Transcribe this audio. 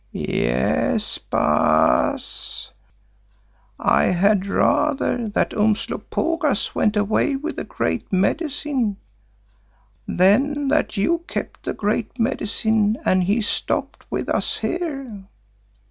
"Yes, Baas, I had rather that Umslopogaas went away with the Great Medicine, than that you kept the Great Medicine and he stopped with us here.